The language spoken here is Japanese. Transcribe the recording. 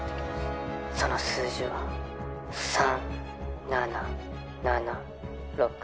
その数字は３７７６。